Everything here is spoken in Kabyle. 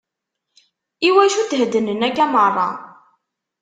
Iwacu theddnen akka merra?